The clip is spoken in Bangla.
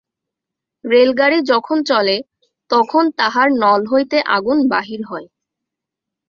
রেলগাড়ি যখন চলে তখন তাহার নল হইতে আগুন বাহির হয়।